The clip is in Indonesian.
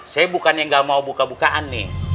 saya bukan yang gak mau buka bukaan nih